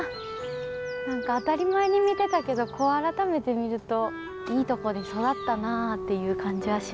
何か当たり前に見てたけどこう改めて見るといいとこで育ったなっていう感じはしますね。